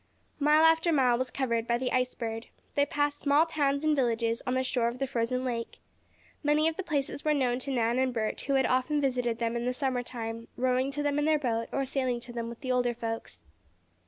Mile after mile was covered by the Ice Bird. They passed small towns and villages on the shore of the frozen lake. Many of the places were known to Nan and Bert, who had often visited them in the summer time, rowing to them in their boat, or sailing to them with the older folks.